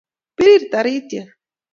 Pirir tarityet.